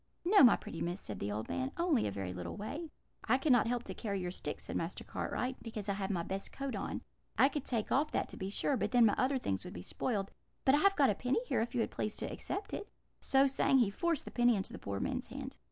"'No, my pretty miss,' said the old man; 'only a very little way.' "'I cannot help to carry your sticks,' said Master Cartwright, 'because I have my best coat on. I could take off that, to be sure, but then my other things would be spoiled; but I have got a penny here, if you please to accept it.' So saying, he forced the penny into the poor man's hand.